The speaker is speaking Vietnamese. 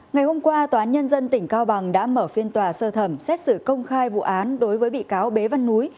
ngày hôm qua tòa án nhân dân tỉnh cao bằng đã mở phiên tòa sơ thẩm xét xử công khai vụ án đối với bị cáo bế văn núi